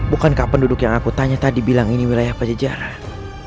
bukan kapan duduk yang aku tanya tadi bilang ini wilayah pajajaran